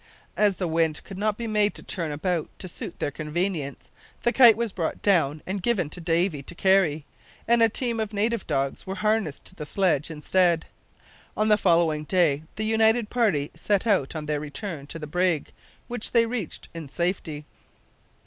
As the wind could not be made to turn about to suit their convenience, the kite was brought down and given to Davy to carry, and a team of native dogs were harnessed to the sledge instead. On the following day the united party set out on their return to the brig, which they reached in safety.